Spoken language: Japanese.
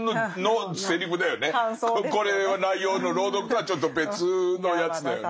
これは内容の朗読とはちょっと別のやつだよね。